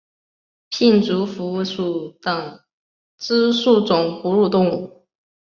胼足蝠属等之数种哺乳动物。